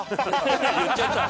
言っちゃった。